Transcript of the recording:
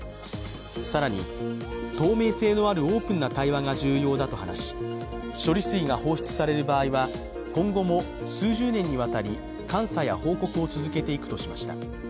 更に、透明性のあるオープンな対話が重要だと話し処理水が放出される場合は今後も数十年にわたり監査や報告を続けていくとしました。